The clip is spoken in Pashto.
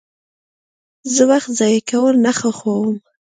زه وخت ضایع کول نه خوښوم.